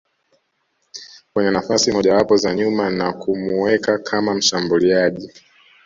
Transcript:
kwenye nafasi mojawapo za nyuma na kumuweka kama mshambuliaji